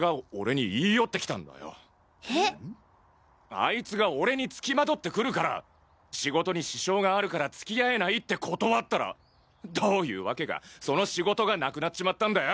あいつが俺に付きまとってくるから仕事に支障があるから付き合えないって断ったらどういうわけかその仕事がなくなっちまったんだよ。